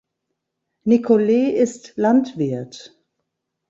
Nicolet ist Landwirt.